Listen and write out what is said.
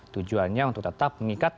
tujuannya untuk tetap mengikat